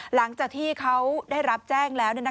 หลังจากที่เขาได้รับแจ้งแล้ว